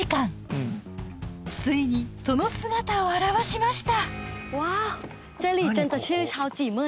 ついにその姿を現しました。